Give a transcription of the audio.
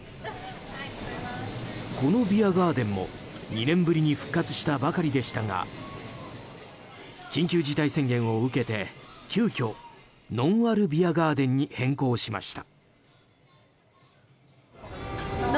このビアガーデンも２年ぶりに復活したばかりでしたが緊急事態宣言を受けて、急きょノンアル・ビアガーデンに変更しました。